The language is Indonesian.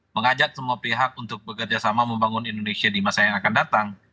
mengajak semua pihak untuk bekerja sama membangun indonesia di masa yang akan datang